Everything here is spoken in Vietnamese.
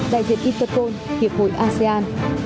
đại diện intercom hiệp hội asean